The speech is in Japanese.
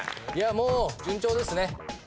いやもう順調ですね。